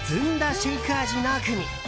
シェイク味のグミ。